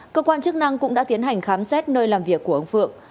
cơ quan chức năng cũng đã tiến hành khám xét nơi làm việc của ông phượng